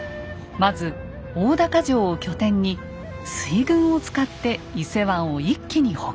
まず大高城を拠点に水軍を使って伊勢湾を一気に北上。